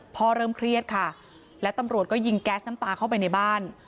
เริ่มเครียดค่ะและตำรวจก็ยิงแก๊สน้ำตาเข้าไปในบ้าน